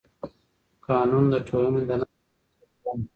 قانون د ټولنې د نظم بنسټ دی.